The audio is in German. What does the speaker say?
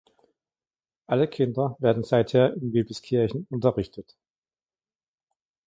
Alle Kinder werden seither in Wiebelskirchen unterrichtet.